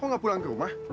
kok nggak pulang ke rumah